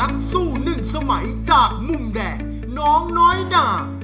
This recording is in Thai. นักสู้หนึ่งสมัยจากมุมแดงน้องน้อยดา